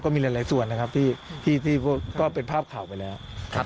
ก็มีหลายหลายส่วนนะครับที่ที่ที่พวกก็เป็นภาพข่าวไปแล้วครับ